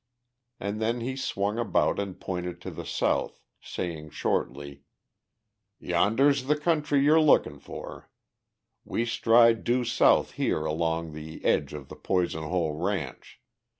And then he swung about and pointed to the south, saying shortly: "Yonder's the country you're lookin' for. We strike due south here along the edge of the Poison Hole ranch.